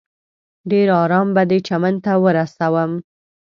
ډېر ارام به دې چمن ته ورسوم.